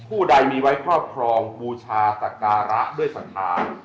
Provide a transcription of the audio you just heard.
ผู้ใดมีไว้พ่อพรองบูชาสัตราด้วยสัตรา